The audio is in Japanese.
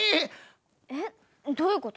えっどういう事？